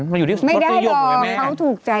ไม่ได้หรอกเขาถูกใจ